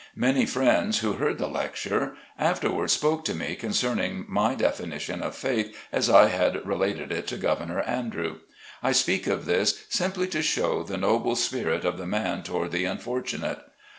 Many friends who heard the lecture, afterward spoke to me concerning my definition of faith as I had related it to Governor Andrew. I speak of this, simply to show the noble spirit of the man toward the unfortunate.